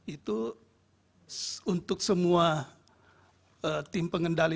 itu untuk semua tim pengendali